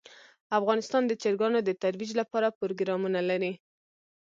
افغانستان د چرګانو د ترویج لپاره پروګرامونه لري.